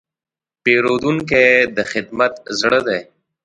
پیرودونکی د خدمت زړه دی.